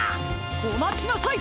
おまちなさい！